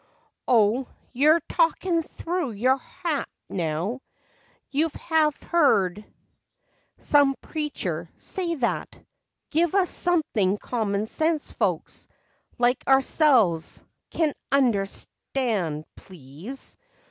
" O, you 're ' talkin' thro' your hat ' now; You have heard some preacher say that! Give us something common sense folks, Like ourselves, can understand, please!